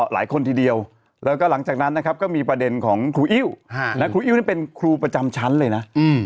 ทีเดียวแล้วก็หลังจากนั้นนะครับก็มีประเด็นของครูอิ้วครูอิ้วนี่เป็นครูประจำชั้นเลยนะ